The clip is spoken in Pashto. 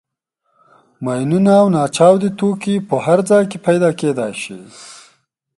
ماینونه او ناچاودي توکي په هر ځای کې پیدا کېدای شي.